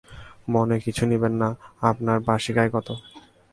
মনে কিছু নিবেন না, আপনার বার্ষিক আয় কতো?